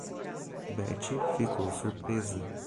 Betty ficou surpresa.